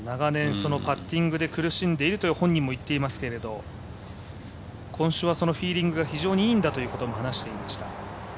そのパッティングで苦しんでいるというのは本人も言ってますけど今週はそのフィーリングが非常にいいんだと話していました。